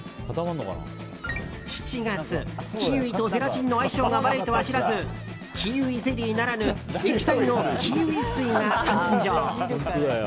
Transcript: ７月、キウイとゼラチンの相性が悪いとは知らずキウイゼリーならぬ液体のキウイ水が誕生。